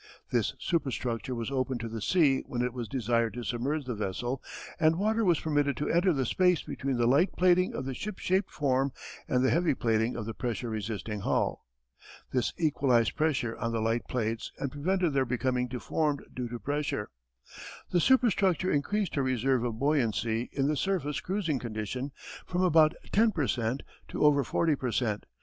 This superstructure was opened to the sea when it was desired to submerge the vessel, and water was permitted to enter the space between the light plating of the ship shaped form and the heavy plating of the pressure resisting hull. This equalized pressure on the light plates and prevented their becoming deformed due to pressure. The superstructure increased her reserve of buoyancy in the surface cruising condition from about 10 per cent. to over 40 per cent.